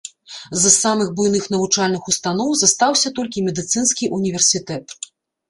З самых буйных навучальных устаноў застаўся толькі медыцынскі універсітэт.